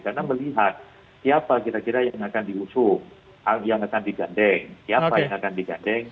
karena melihat siapa kira kira yang akan diusung yang akan digandeng siapa yang akan digandeng